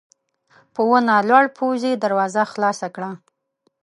په ونه لوړ پوځي دروازه خلاصه کړه.